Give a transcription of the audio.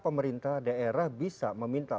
pemerintah daerah bisa meminta